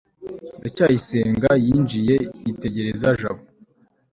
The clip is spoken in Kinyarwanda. ndacyayisenga yinjiye yitegereza jabo